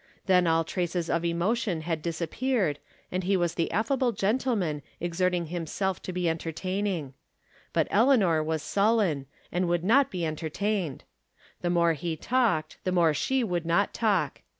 Then all traces of emotion had disappeared, and he was the affable gentleman exerting himself to be en From Different Standpoints. 209 tertainiug. But Eleanor was siillen, and would not be entertained. Tlie more lie talked the more slie would not talk.